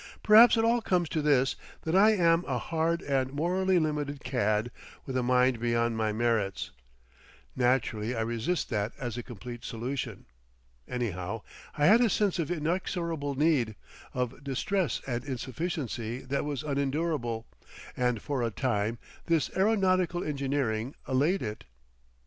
Perhaps it all comes to this, that I am a hard and morally limited cad with a mind beyond my merits. Naturally I resist that as a complete solution. Anyhow, I had a sense of inexorable need, of distress and insufficiency that was unendurable, and for a time this aeronautical engineering allayed it....